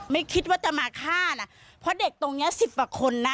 ไม่คิดว่าจะมาฆ่านะเพราะเด็กตรงเนี้ยสิบกว่าคนนะ